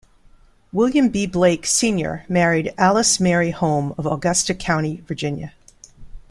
William B. Blake, Senior married Alice Mary Home, of Augusta County, Virginia.